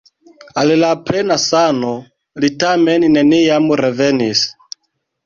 Al la plena sano li tamen neniam revenis.